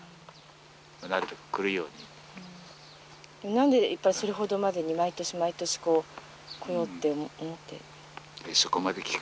何でそれほどまでに毎年毎年こう来ようって思って。